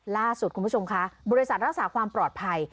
ล่าสุดคุณผู้ชมคะบริษัทรักษาความปลอดภัย